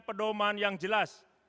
pedoman yang jelas